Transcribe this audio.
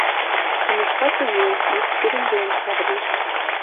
Тимошка сеҥен, ӱдыр тудын велыш савырныш.